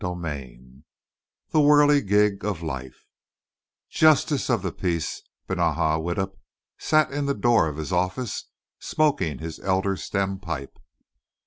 XII THE WHIRLIGIG OF LIFE Justice of the Peace Benaja Widdup sat in the door of his office smoking his elder stem pipe.